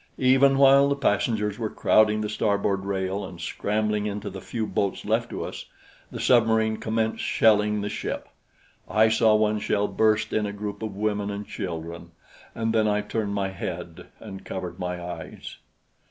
Even while the passengers were crowding the starboard rail and scrambling into the few boats left to us, the submarine commenced shelling the ship. I saw one shell burst in a group of women and children, and then I turned my head and covered my eyes.